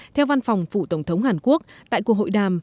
theo văn phòng phủ tổng thống hàn quốc tại cuộc hội đàm